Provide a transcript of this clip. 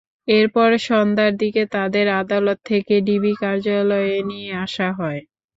এরপর সন্ধ্যার দিকে তাঁদের আদালত থেকে ডিবি কার্যালয়ে নিয়ে আসা হয়।